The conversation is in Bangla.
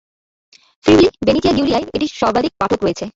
ফ্রিউলি-ভেনিজিয়া গিউলিয়ায় এটির সর্বাধিক পাঠক রয়েছে।